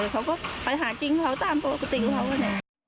เขาก็ไปหาจริงเขาตามปกติอยู่ข้างนั้น